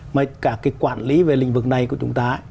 mà cả cái quản lý về lĩnh vực này của chúng ta